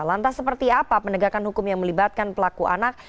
lantas seperti apa penegakan hukum yang melibatkan pelaku anak